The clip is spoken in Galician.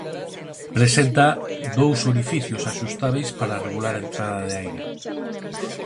Presenta dous orificios axustábeis para regular a entrada de aire.